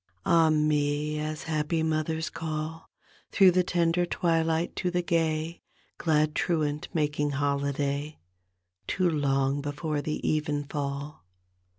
Ak me, as happy mothers call Through the tender twilights to the gay. Glad truant making holiday Too long before the evenfall.